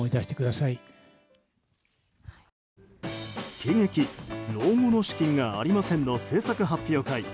「喜劇老後の資金がありません」の制作発表会。